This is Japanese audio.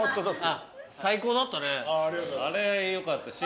あれよかった。